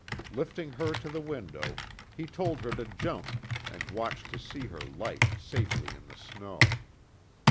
Lifting her to the window, he told her to jump, and watched to see her light safely in the snow.